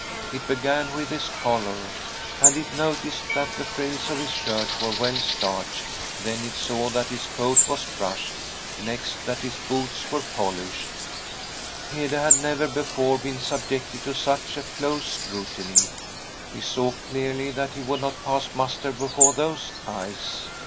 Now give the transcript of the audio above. It began with his collar, and it noticed that the frills of his shirt were well starched, then it saw that his coat was brushed, next that his boots were polished. Hede had never before been subjected to such close scrutiny. He saw clearly that he would not pass muster before those eyes.